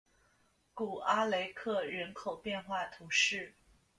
古阿雷克人口变化图示